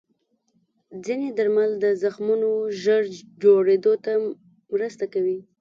ځینې درمل د زخمونو ژر جوړېدو ته مرسته کوي.